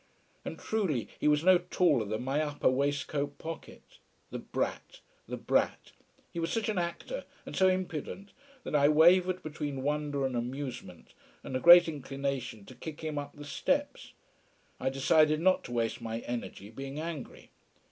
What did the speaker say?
And truly, he was no taller than my upper waistcoat pocket. The brat! The brat! He was such an actor, and so impudent, that I wavered between wonder and amusement and a great inclination to kick him up the steps. I decided not to waste my energy being angry.